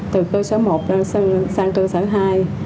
từ cơ sở một sang cơ sở hai